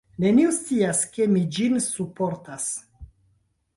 Neniu scias ke mi ĝin surportas.